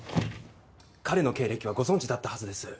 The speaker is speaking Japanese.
彼の経歴はご存じだったはずです。